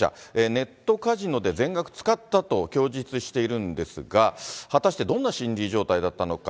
ネットカジノで全額使ったと供述しているんですが、果たしてどんな心理状態だったのか。